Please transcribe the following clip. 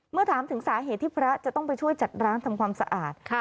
เมื่อถามถึงสาเหตุที่พระจะต้องไปช่วยจัดร้านทำความสะอาด